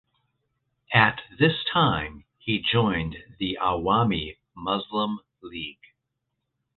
At this time he joined the Awami Muslim League.